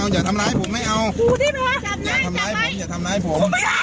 อย่าทำร้ายผมอย่าทำร้ายผม